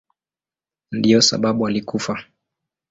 Ndiyo sababu alikufa.